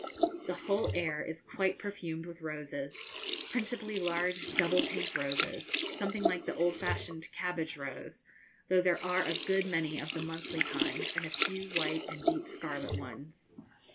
The whole air is quite perfumed with roses, principally large double pink roses, something like the old fashioned cabbage rose, though there are a good many of the monthly kind and a few white and deep scarlet ones.